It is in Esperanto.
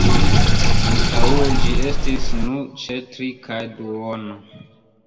Antaŭe ĝi estis nur ĉe tri kaj duono.